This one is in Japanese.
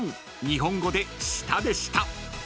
［日本語で舌でした］